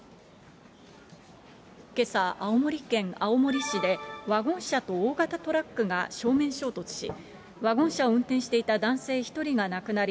けさ、青森県青森市でワゴン車と大型トラックが正面衝突し、ワゴン車を運転していた男性１人が亡くなり、